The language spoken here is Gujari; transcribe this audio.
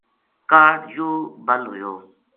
کاہڈ یوہ بَل ہویو